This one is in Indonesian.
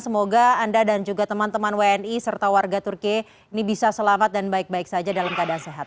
semoga anda dan juga teman teman wni serta warga turki ini bisa selamat dan baik baik saja dalam keadaan sehat